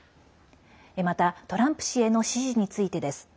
また、トランプ氏への支持についてです。